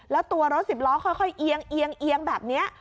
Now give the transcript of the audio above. แล้วตัวรถสิบล้อค่อยเอียงเติมเติมเติมแบบนี้